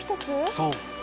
そう。